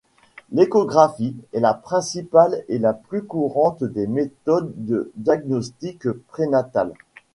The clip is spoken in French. L’échographie est la principale et la plus courante des méthodes de diagnostic prénatal.